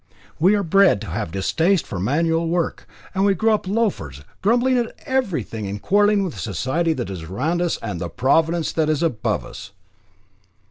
We are bred to have a distaste for manual work; and we grow up loafers, grumbling at everything and quarrelling with Society that is around us and the Providence that is above us."